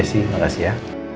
jessy terimakasih ya